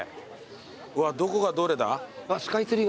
うわっどこがどれだ？